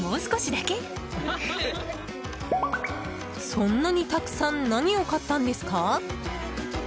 そんなにたくさん何を買ったんですか？